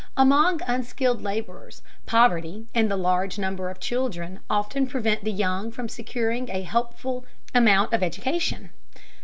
Among unskilled laborers, poverty and the large number of children often prevent the young from securing a helpful amount of education.